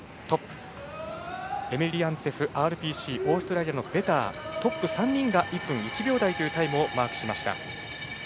そしてエメリアンツェフ、ＲＰＣオーストラリアのベタートップ３人が１分１秒台というタイムをマークしました。